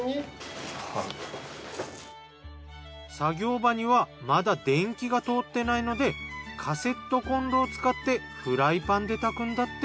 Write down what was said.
作業場にはまだ電気が通ってないのでカセットコンロを使ってフライパンで炊くんだって。